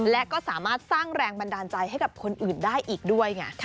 และก็สามารถสร้างแรงบันดาลใจให้กับคนอื่นได้อีกด้วยไง